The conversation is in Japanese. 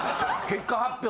結果発表。